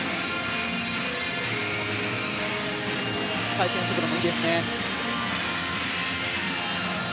回転速度もいいですね。